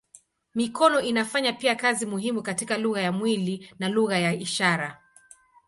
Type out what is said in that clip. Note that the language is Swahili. Mikono inafanya pia kazi muhimu katika lugha ya mwili na lugha ya ishara.